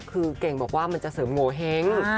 คือเก่งบอกว่ามันจะเสริมโงเห้ง